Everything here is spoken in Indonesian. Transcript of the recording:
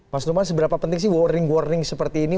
mas numan seberapa penting sih warning warning seperti ini